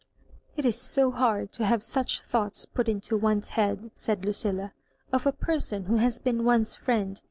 " It is so hard to have such thoughts put into one^s head," said Lucilla, "«f a person who has bean one^s friend.